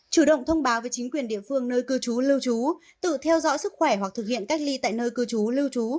chủ động thông báo với chính quyền địa phương nơi cư trú lưu trú tự theo dõi sức khỏe hoặc thực hiện cách ly tại nơi cư trú lưu trú